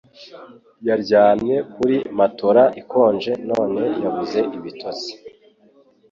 Yaryamye kuri matora ikonje none yabuze ibitotsi